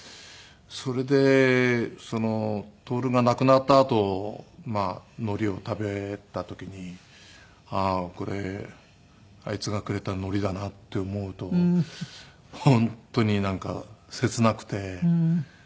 それで徹が亡くなったあと海苔を食べた時にああーこれあいつがくれた海苔だなって思うと本当になんか切なくて。